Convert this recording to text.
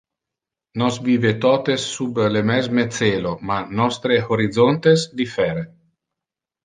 Nos vive totes sub le mesme celo, ma nostre horizontes differe.